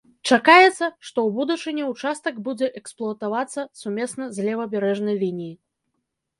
Чакаецца, што ў будучыні ўчастак будзе эксплуатавацца сумесна з левабярэжнай лініі.